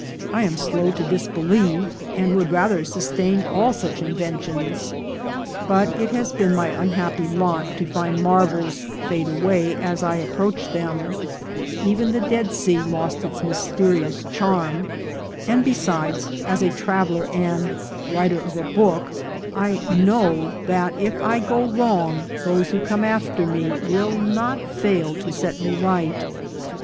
I am slow to disbelieve, and would rather sustain all such inventions ; but it has been my unhappy lot to find marvels fade away as I approached them : even the Dead Sea lost its mysterious charm ; and besides, as a traveller and " writer of a book," I know that if I go wrong, those who come after me will not fail to set me right.